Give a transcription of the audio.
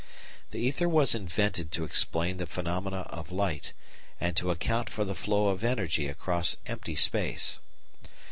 The ether was invented to explain the phenomena of light, and to account for the flow of energy across empty space.